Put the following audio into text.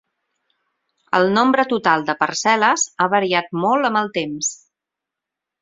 El nombre total de parcel·les ha variat molt amb el temps.